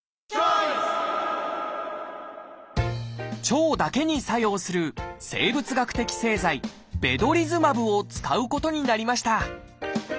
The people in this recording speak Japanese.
腸だけに作用する生物学的製剤「ベドリズマブ」を使うことになりました